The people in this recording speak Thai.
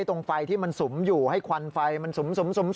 ตรงไฟที่มันสุมอยู่ให้ควันไฟมันสุม